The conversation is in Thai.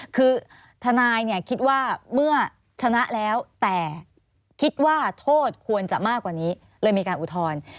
คือทนายเนี่ยคิดว่าเมื่อชนะแล้วแต่คิดว่าโทษควรจะมากกว่านี้เลยมีการอุทธรณ์